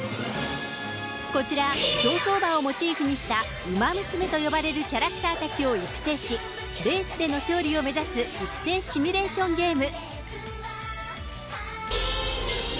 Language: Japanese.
こちら競走馬をモチーフにしたウマ娘と呼ばれるキャラクター達を育成し、レースでの勝利を目指す育成シミュレーションゲーム。